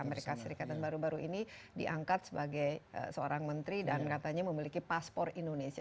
amerika serikat dan baru baru ini diangkat sebagai seorang menteri dan katanya memiliki paspor indonesia